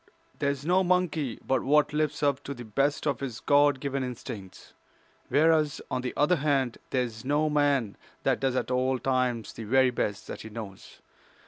There is no monkey but what lives up to the best of his God given instincts, whereas, on the other hand, there is no man that does at all times the very best that he knows.